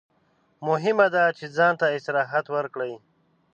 مهمه ده چې ځان ته استراحت ورکړئ.